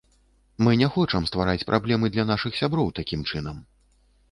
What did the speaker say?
Мы не хочам ствараць праблем і для нашых сяброў такім чынам.